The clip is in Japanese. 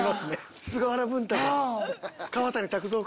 菅原文太か？